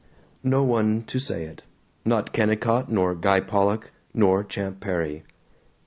No one to say it. Not Kennicott nor Guy Pollock nor Champ Perry.